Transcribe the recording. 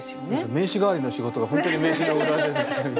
名刺代わりの仕事がほんとに名刺の裏。